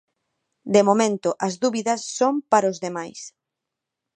De momento, as dúbidas son para os demais.